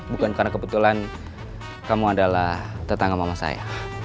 bukan karena kebetulan kamu adalah tetangga mama saya